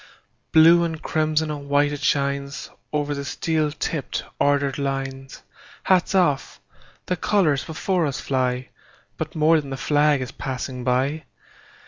Blue and crimson and white it shines, Over the steel tipped, ordered lines. Hats off! The colors before us fly; But more than the flag is passing by.